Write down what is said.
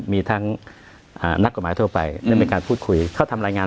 มีทั้งนักกฎหมายทั่วไปได้มีการพูดคุยเขาทำรายงาน